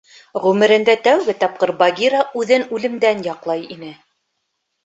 Ғүмерендә тәүге тапҡыр Багира үҙен үлемдән яҡлай ине.